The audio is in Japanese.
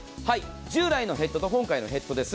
従来のヘッドと今回のヘッドです。